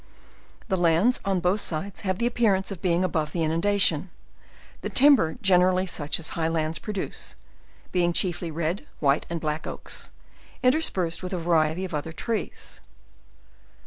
The lands on both sides have the appearance of being above the inundation; the tim ber generally such as high lands produce, being chiefly red, white and black oaks, interspersed with a variety of other trees.